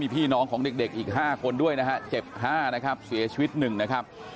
พี่น้องของเด็กอีก๕คนด้วยนะฮะเจ็บ๕นะครับเสียชีวิต๑นะครับ